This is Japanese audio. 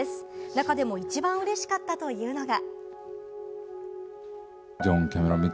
中でも一番嬉しかったというのが。